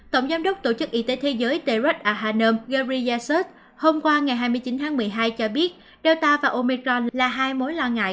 tổng giám đốc tổ chức y tế thế giới t rod ở hà nội gary yasset hôm qua ngày hai mươi chín tháng một mươi hai cho biết delta và omicron là hai mối lo ngại